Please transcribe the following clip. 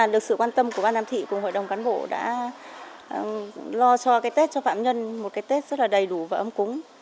được sự quan tâm của ban giám thị cùng hội đồng cán bộ đã lo cho cái tết cho phạm nhân một cái tết rất là đầy đủ và ấm cúng